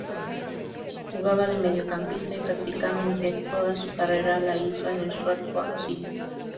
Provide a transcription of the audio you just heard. Jugaba de mediocampista y prácticamente toda su carrera la hizo en el Swansea City.